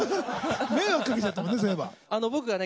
迷惑かけちゃったもんね